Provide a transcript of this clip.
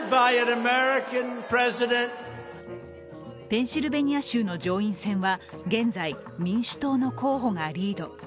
ペンシルベニア州の上院選は現在、民主党の候補がリード。